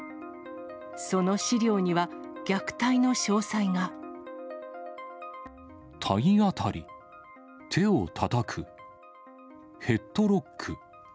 その資料には、体当たり、手をたたく、ヘッドロック。